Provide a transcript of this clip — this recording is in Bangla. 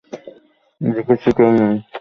দেখেছি, কেউ নেই।